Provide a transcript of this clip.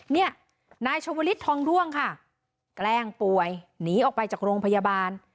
เนี่ยนายชวลิศทองร่วงค่ะแกล้งป่วยหนีออกไปจากโรงพยาบาล